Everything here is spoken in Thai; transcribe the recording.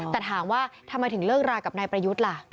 แต่ถามว่าทำไมถึงเลิกรากับนายประยุทธ์ล่ะ